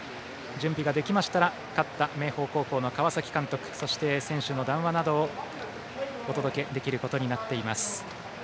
準備ができましたら勝った明豊高校の川崎監督そして選手の談話などをお届けできることになっています。